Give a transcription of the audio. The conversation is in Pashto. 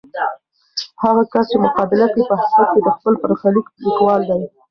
هغه کس چې مقابله کوي، په حقیقت کې د خپل برخلیک لیکوال دی.